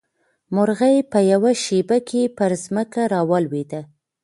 مرغۍ په یوه شېبه کې پر ځمکه راولوېده.